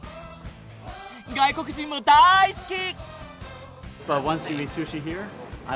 外国人も大好き！